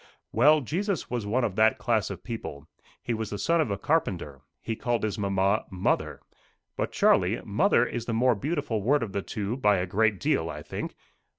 "Well, Jesus was one of that class of people. He was the son of a carpenter. He called his mamma, mother. But, Charlie, mother is the more beautiful word of the two, by a great deal, I think.